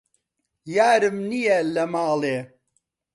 یارم نیە لە ماڵێ